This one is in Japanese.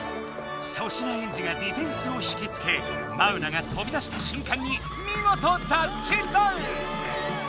粗品エンジがディフェンスを引きつけマウナが飛び出した瞬間にみごとタッチダウン！